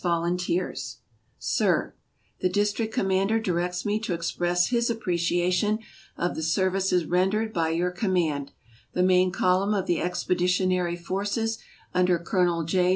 Volunteers: Sir: The District Commander directs me to express his appreciation of the services rendered by your command, the main column of the expeditionary forces, under Colonel J.